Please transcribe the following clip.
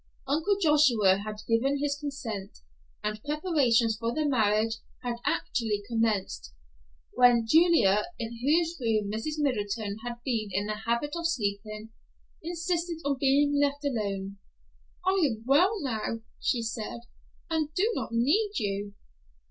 Uncle Joshua had given his consent, and preparations for the marriage had actually commenced, when Julia, in whose room Mrs. Middleton had been in the habit of sleeping, insisted upon being left alone. "I am well now," she said, "and do not need you."